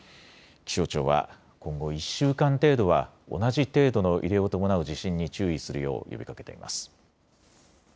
気象庁は今後１週間程度は同じ程度の揺れを伴う地震に注意するよう呼びかけています。